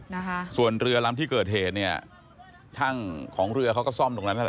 นะคะส่วนเรือลำที่เกิดเหตุเนี่ยช่างของเรือเขาก็ซ่อมตรงนั้นนั่นแหละ